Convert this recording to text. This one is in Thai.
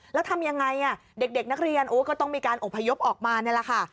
แล้วทำยังไงเด็กนักเรียนก็ต้องมีการอบพยพออกมานี่แหละค่ะ